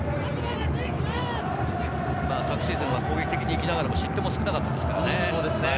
昨シーズンは攻撃的に行きながら、失点も少なかったですからね。